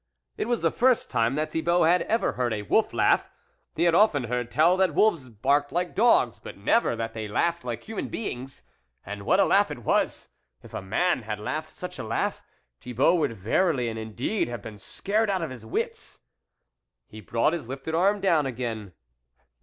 It was the first time that Thibault had ever heard a wolf laugh. He had often heard tell that wolves barked like dogs, but never that they laughed like human beings. And what a laugh it was ! If a man had laughed such a laugh, Thibault would verily and indeed have been scared out of his wits. He brought his lifted arm down again.